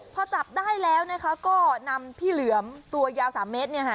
พอจับได้แล้วก็นำพี่เหลือมตัวยาว๓เมตร